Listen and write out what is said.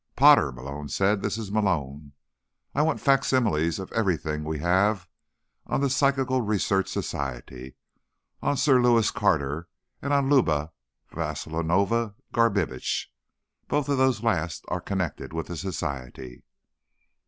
"Potter?" Malone said. "This is Malone. I want facsimiles of everything we have on the Psychical Research Society, on Sir Lewis Carter, and on Luba Vasilovna Garbitsch. Both of those last are connected with the Society."